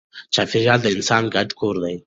چاپېریال د انسان ګډ کور دی.